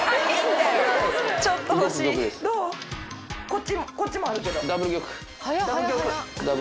こっちもあるけど。